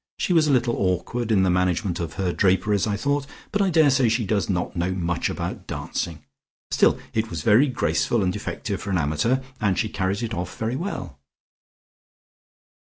She was a little awkward in the management of her draperies I thought, but I daresay she does not know much about dancing. Still it was very graceful and effective for an amateur, and she carried it off very well."